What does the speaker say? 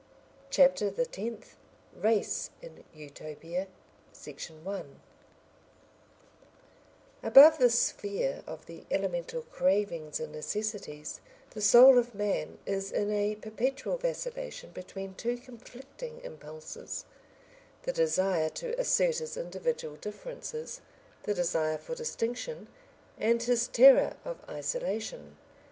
CHAPTER THE TENTH Race in Utopia Section 1 Above the sphere of the elemental cravings and necessities, the soul of man is in a perpetual vacillation between two conflicting impulses: the desire to assert his individual differences, the desire for distinction, and his terror of isolation.